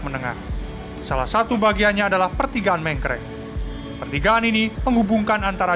menengah salah satu bagiannya adalah pertigaan mengkrek pertigaan ini menghubungkan antara